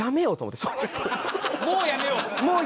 「もう辞めよう」？